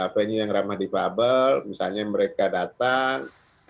venue yang ramah di pabel misalnya mereka datang